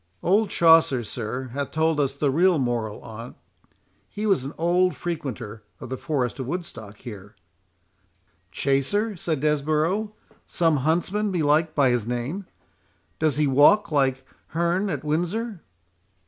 "Old Chaucer, sir, hath told us the real moral on't—He was an old frequenter of the forest of Woodstock, here"— "Chaser?" said Desborough; "some huntsman, belike, by his name. Does he walk, like Hearne at Windsor?"